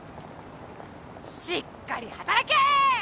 しっかり働けーっ！